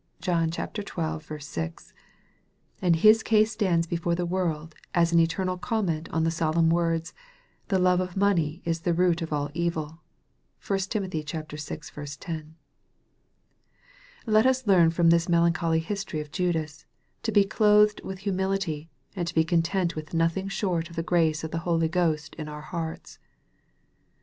(John xii 6.) And his case stands before the world as an eternal comment on the solemn words, " the love of money is the root of all evil." (1 Tim. vi. 10.) Let us learn from this melancholy history of Judas, to be "clothed with humility," and to be content with nothing short of the grace of the Holy Ghost in our hearts.